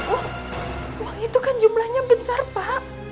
wah uang itu kan jumlahnya besar pak